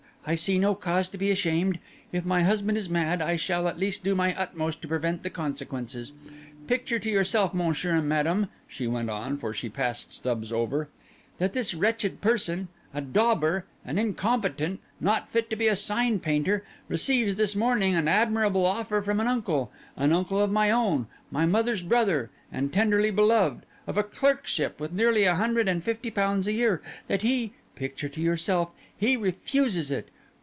"I see no cause to be ashamed. If my husband is mad I shall at least do my utmost to prevent the consequences. Picture to yourself, Monsieur and Madame," she went on, for she passed Stubbs over, "that this wretched person—a dauber, an incompetent, not fit to be a sign painter—receives this morning an admirable offer from an uncle—an uncle of my own, my mother's brother, and tenderly beloved—of a clerkship with nearly a hundred and fifty pounds a year, and that he—picture to yourself!—he refuses it!